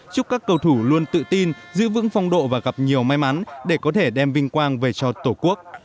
chúc các cầu thủ luôn tự tin giữ vững phong độ và gặp nhiều may mắn để có thể đem vinh quang về cho tổ quốc